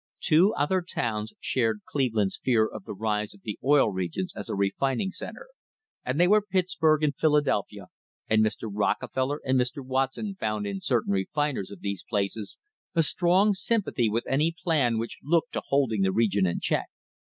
Two other towns shared Cleveland's fear of the rise of the Oil Regions as a refining centre, and they were Pittsburg and Philadelphia, and Mr. Rockefeller and Mr. Watson found in certain refiners of these places a strong sympathy with any plan which looked to holding the region in check.